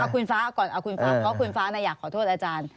เอาคุณฟ้าก่อนเพราะคุณฟ้าอยากขอโทษอาจารย์